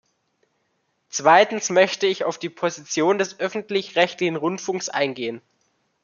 Zweitens möchte ich auf die Position des öffentlich-rechtlichen Rundfunks eingehen.